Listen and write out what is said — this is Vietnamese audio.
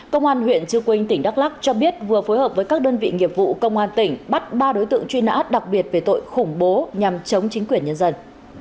công an huyện chư quynh tỉnh đắk lắc cho biết vừa phối hợp với các đơn vị nghiệp vụ công an tỉnh bắt ba đối tượng truy nã đặc biệt về tội khủng bố nhằm chống chính quyền nhân dân